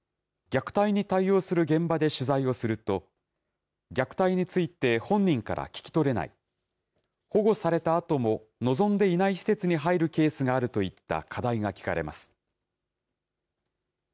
虐待に対応する現場で取材をすると、虐待について本人から聞き取れない、保護されたあとも、望んでいない施設に入るケースがあるといった課題が聞かれます。